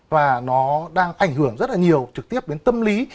và nó đang ảnh hưởng rất là nhiều trực tiếp đến tâm lý